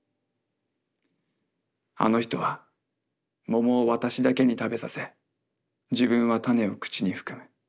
あの人は桃を私だけに食べさせ自分は種を口に含む。